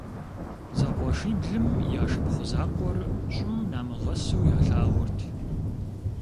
Зэкъуэшиблым я шыпхъу закъуэр щӀым намыгъэсу ялъагъурт.